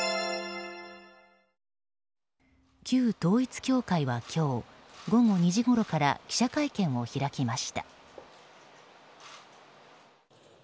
旧統一教会は今日午後２時ごろから記者会見を開きました。